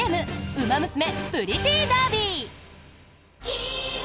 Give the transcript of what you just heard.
「ウマ娘プリティーダービー」。